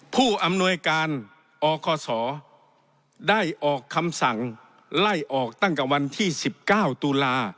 ผู้อำนวยการอคศได้ออกคำสั่งไล่ออกตั้งแต่วันที่๑๙ตุลา